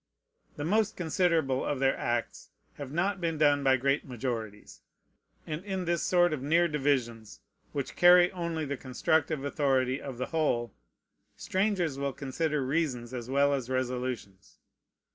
The most considerable of their acts have not been done by great majorities; and in this sort of near divisions, which carry only the constructive authority of the whole, strangers will consider reasons as well as resolutions.